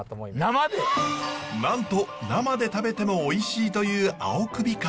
なんと生で食べてもおいしいという青首カブ。